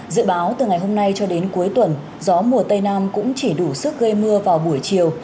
dự báo từ ngày hôm nay cho đến cuối tuần gió mùa tây nam cũng chỉ đủ sức gây mưa vào buổi chiều